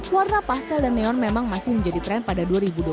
warna pastel dan neon memang masih menjadi tren pada dua ribu dua puluh